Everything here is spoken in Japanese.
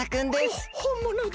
ほほんものだ。